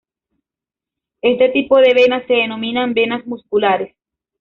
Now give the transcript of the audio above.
Este tipo de venas se denominan "venas musculares".